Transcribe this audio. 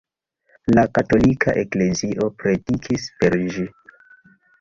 La katolika eklezio predikis per ĝi.